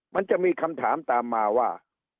มันจะมีคำถามตามมาว่า